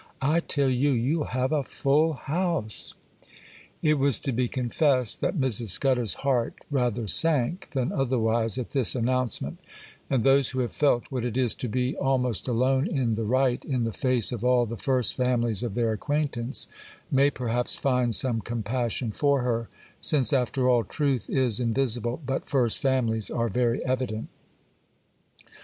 I tell you you'll have a full house.' It was to be confessed that Mrs. Scudder's heart rather sank than otherwise at this announcement, and those who have felt what it is to be almost alone in the right, in the face of all the 'first families' of their acquaintance, may perhaps find some compassion for her; since after all, truth is invisible, but 'first families' are very evident.